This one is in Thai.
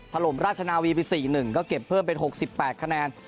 ถล่มราชนาวีไป๔๑ก็เก็บเพิ่มเป็น๖๘คะแนน